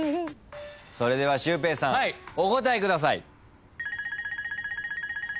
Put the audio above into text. それではシュウペイさんお答えください。